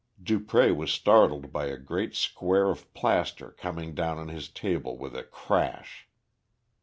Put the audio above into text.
Dupré was startled by a great square of plaster coming down on his table with a crash.